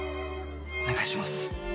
お願いします。